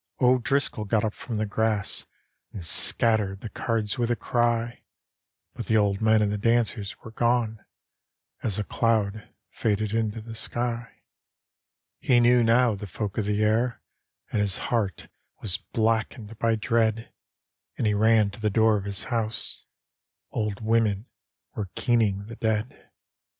O'Driscoll got up from the grass And scattered the cards with a ciy; But the old men and the dan«rs were gone As a cloud faded into the sky. He knew now the folk of the air. And his heart was blackened by dread, And he ran to the door of his house; Old women were keening the dead.